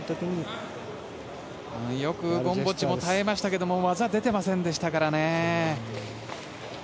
よくゴムボッチも耐えましたが技が出てませんでしたからね。